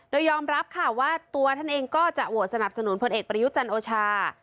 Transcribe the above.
โดยยอมรับค่ะว่าตัวท่านเองก็จะโหวตสนับสนุนพลเอกประยุจันทร์โอชา